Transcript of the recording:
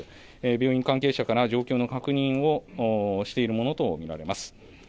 病院関係者から状況の確認をしているものと見られます。